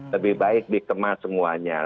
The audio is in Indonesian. lebih baik dikemas semuanya